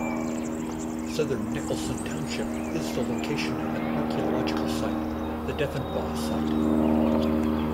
Southern Nicholson Township is the location of an archaeological site, the Deffenbaugh Site.